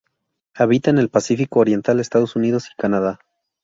Habita en el Pacífico oriental: Estados Unidos y Canadá.